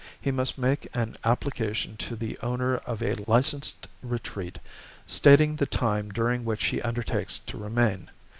He must make an application to the owner of a licensed retreat, stating the time during which he undertakes to remain.